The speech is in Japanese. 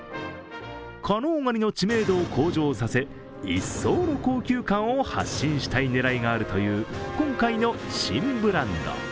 加能ガニの知名度を向上させ一層の高級感を発信したい狙いがあるという今回の新ブランド。